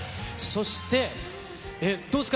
そして、どうですか？